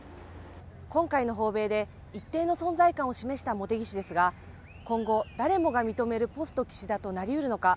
今回の訪米で一定の存在感を示した茂木氏ですが、今後、誰もが認めるポスト岸田となりうるのか。